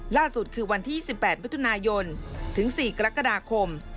ล่าสุดคือวันที่๑๘มิถุนายนถึง๔กรกฎาคม